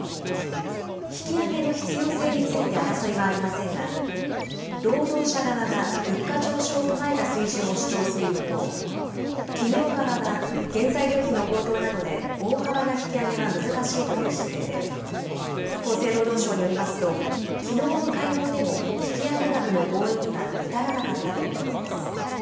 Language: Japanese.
引き上げの必要性について争いはありませんが、労働者側が物価上昇を踏まえた水準を主張する一方、企業側は、原材料費の高騰などで大幅な引き上げは難しいという姿勢で、厚生労働省によりますと、きのうの会合でも引き上げ額の合意には至らなかったということです。